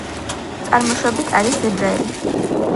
წარმოშვებით არის ებრაელი.